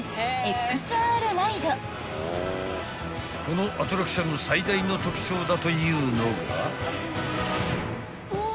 ［このアトラクションの最大の特徴だというのが］